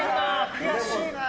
悔しいな。